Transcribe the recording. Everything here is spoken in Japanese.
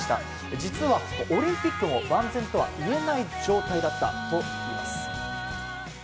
実は、オリンピックも万全とはいえない状態だったといいます。